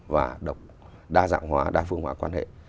và đa dạng hòa đa phương hòa quan hệ